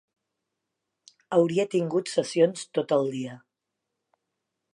Hauria tingut sessions tot el dia.